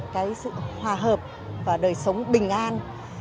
cái sự hòa hợp và đời sống bình an